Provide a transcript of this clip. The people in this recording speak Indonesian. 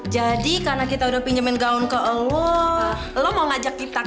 jadi karena kita udah pinjemin gaun ke lo lo mau ngajak kita kan